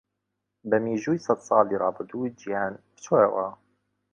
بە میژووی سەدساڵی ڕابردوو جیهاند بچۆوە.